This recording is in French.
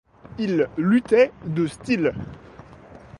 Il luttait de style.